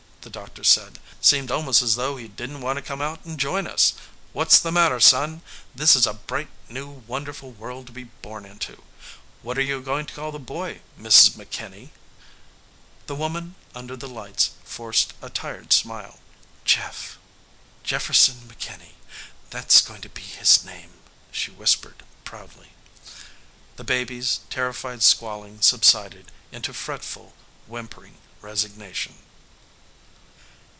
the doctor said. "Seemed almost as though he didn't want to come out and join us.... What's the matter, son? This is a bright, new, wonderful world to be born into.... What are you going to call the boy, Mrs. McKinney?" The woman under the lights forced a tired smile. "Jeff. Jefferson McKinney. That's going to be his name," she whispered proudly. The baby's terrified squalling subsided into fretful, whimpering resignation.